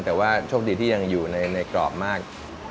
แต่ว่าโชคดีที่ยังอยู่ในกรอบมาก